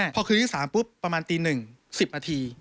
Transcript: พอคืนที่๓ปุ๊บประมาณตี๑๑๐นาที